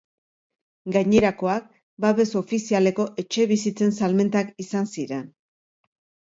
Gainerakoak, babes ofizialeko etxebizitzen salmentak izan ziren.